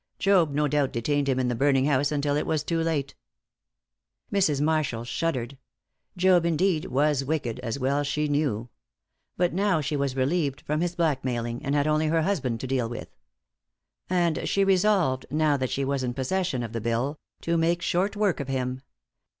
Job no doubt detained him in the burning house until it was too late." Mrs. Marshall shuddered. Job, indeed, was wicked, as well she knew. But now she was relieved from his blackmailing, and had only her husband to deal with. And she resolved now that she was in possession of the bill to make short work of him.